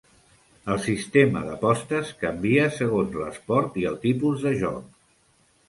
El sistema d'apostes canvia segons l'esport i el tipus de joc.